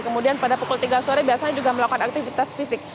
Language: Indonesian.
kemudian pada pukul tiga sore biasanya juga melakukan aktivitas fisik